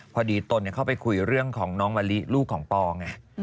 ตนเข้าไปคุยเรื่องของน้องมะลิลูกของปอไง